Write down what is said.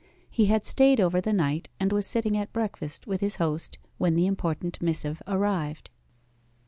He had stayed over the night, and was sitting at breakfast with his host when the important missive arrived.